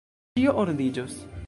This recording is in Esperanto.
Ĉio ordiĝos!